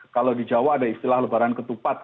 kalau di jawa ada istilah lebaran ketupat